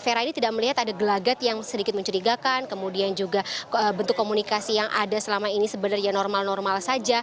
vera ini tidak melihat ada gelagat yang sedikit mencurigakan kemudian juga bentuk komunikasi yang ada selama ini sebenarnya normal normal saja